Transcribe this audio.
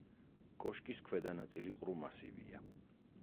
კოშკის ქვედა ნაწილი ყრუ მასივია.